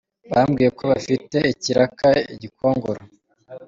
Bambwiye ko bafite ikiraka i Gikongoro.